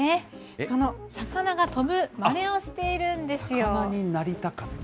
この魚が飛ぶまねをしているんで魚になりたかった？